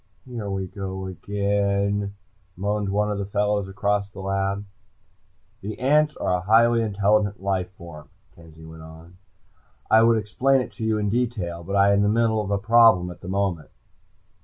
"Here we go again," moaned one of the fellows across the lab. "The ants are a highly intelligent life form," Kenzie went on. "I would explain it to you in detail, but I am in the middle of a problem at this moment."